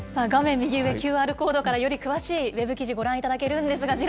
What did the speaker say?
右上、ＱＲコードからより詳しいウェブ記事ご覧いただけるんですが、二